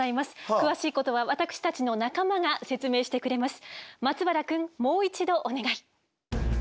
詳しいことは私たちの仲間が説明してくれます。